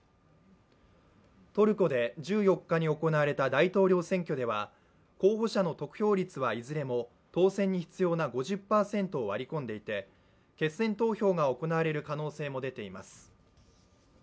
トルコで１４日に行われた大統領選挙では候補者の得票率はいずれも当選に必要な５０％を割り込んでいて決選投票が行われる可能性も出ています。